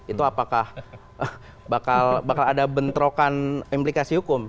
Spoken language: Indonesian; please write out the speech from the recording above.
itu apakah bakal ada bentrokan implikasi hukum